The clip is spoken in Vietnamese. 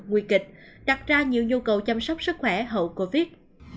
nguy kịch đặt ra nhiều nhu cầu chăm sóc sức khỏe hậu covid